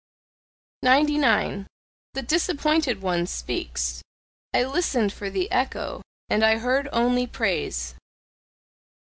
99. THE DISAPPOINTED ONE SPEAKS "I listened for the echo and I heard only praise."